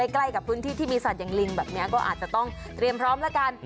ใกล้กับพื้นที่ที่มีสัตว์อย่างลิงแบบนี้ก็อาจจะต้องเตรียมพร้อมแล้วกัน